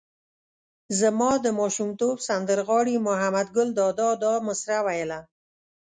زما د ماشومتوب سندر غاړي محمد ګل دادا دا مسره ویله.